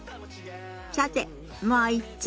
さてもう一通。